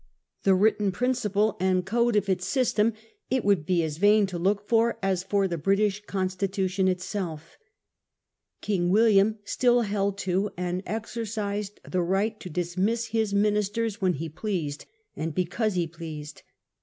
The written principle and code of its system it would be as vain to look for as for the British Constitution itself. King William still held to and exercised the right to dismiss his ministers when he pleased, and because he pleased.